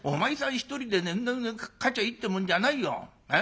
一人でね勝ちゃあいいってもんじゃないよ。